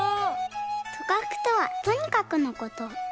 「とかく」とは「とにかく」のこと。